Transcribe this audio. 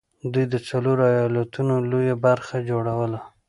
دوی د څلورو ايالتونو لويه برخه جوړوله